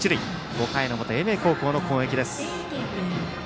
５回の表、英明高校の攻撃です。